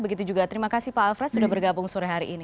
begitu juga terima kasih pak alfred sudah bergabung sore hari ini